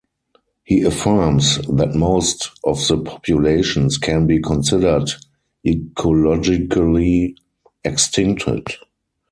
He affirms that most of the populations can be considered ecologically extincted.